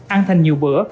ăn thành nhiều bữa